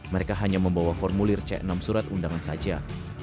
mereka hanya membawa formulir c enam surat undangan saja